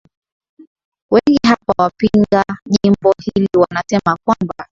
wengi hapa wapinga jimbo hili wanasema kwamba